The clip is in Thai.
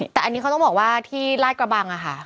แต่อันนี้เขาบอกว่าที่ร่านกระบังอ่ะค่ะ